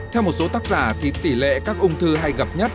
theo một số tác giả thì tỷ lệ các ung thư hay gặp nhất